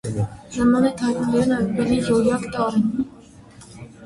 Նման է թաիլանդերեն այբուբենի «յոյակ» տառին։